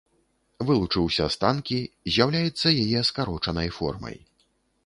Вылучыўся з танкі, з'яўляецца яе скарочанай формай.